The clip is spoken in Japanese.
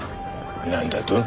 なんだと？